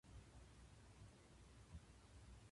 鞄が重い